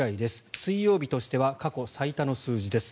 水曜日としては過去最多の数字です。